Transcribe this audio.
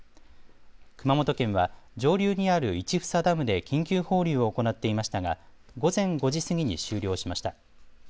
熊本県は上流にある市房ダムで緊急放流を行っていましたが午前５時過ぎに終了しました。